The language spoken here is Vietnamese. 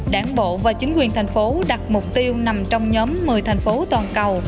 đảng bộ và chính quyền thành phố đặt mục tiêu nằm trong nhóm một mươi thành phố toàn cầu